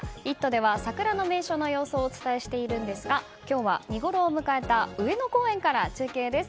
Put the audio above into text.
では、桜の名所の様子をお伝えしているんですが今日は見ごろを迎えた上野公園から中継です。